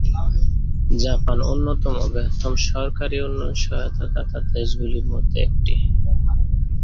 Japan অন্যতম বৃহত্তম সরকারি উন্নয়ন সহায়তা দাতা দেশগুলির মধ্যে একটি।